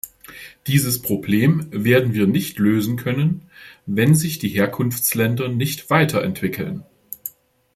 Dieses Problem werden wir nicht lösen können, wenn sich die Herkunftsländer nicht weiterentwickeln.